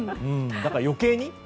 だから余計に。